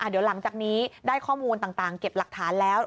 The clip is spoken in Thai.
เดี๋ยวหลังจากนี้ได้ข้อมูลต่างเก็บหลักฐานแล้ว